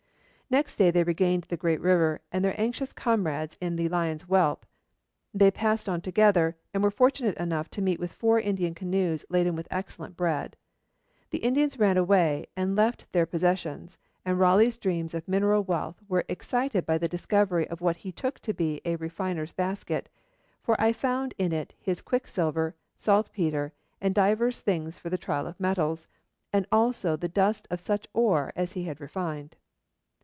Next day they regained the great river, and their anxious comrades in the 'Lion's Whelp.' They passed on together, and were fortunate enough to meet with four Indian canoes laden with excellent bread. The Indians ran away and left their possessions, and Raleigh's dreams of mineral wealth were excited by the discovery of what he took to be a 'refiner's basket, for I found in it his quicksilver, saltpetre, and divers things for the trial of metals, and also the dust of such ore as he had refined.'